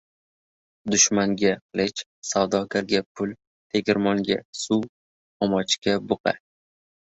• Dushmanga — qilich, savdogarga — pul, tegirmonga — suv, omochga — buqa.